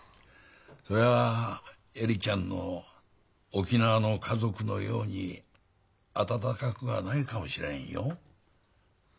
そりゃ恵里ちゃんの沖縄の家族のように温かくはないかもしれんよ。